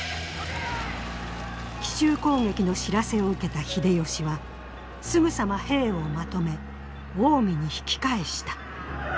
奇襲攻撃の知らせを受けた秀吉はすぐさま兵をまとめ近江に引き返した。